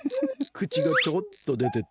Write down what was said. くちがちょっとでてて。